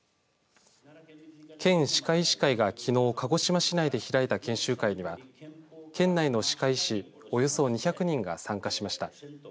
県歯科医師会がきのう鹿児島市内で開いた研修会には県内の歯科医師およそ２００人が参加しました。